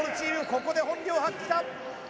ここで本領発揮か？